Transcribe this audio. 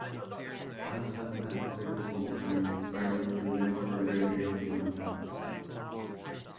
Johnson had previously designed various buildings for Berners in London.